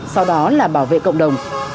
đặc biệt là bảo vệ cộng đồng